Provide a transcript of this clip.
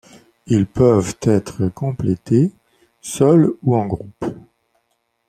Ils peuvent être complétés seul ou en groupe.